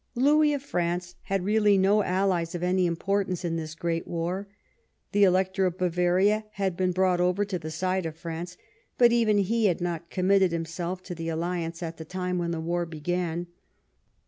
Louis of France had really no allies of any im portance in this great war. The Elector of Bavaria had been brought over to the side of France, but even he had not committed himself to the alliance at the time when the war began.